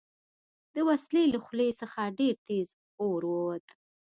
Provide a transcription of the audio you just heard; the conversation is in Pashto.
د وسلې له خولې څخه ډېر تېز اور ووت